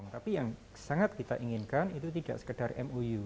tapi yang sangat kita inginkan itu tidak sekedar mou